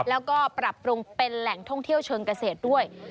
แล้วก็ปรับปรุงเป็นแหล่งท่องเที่ยวเชิงเกษตรด้วย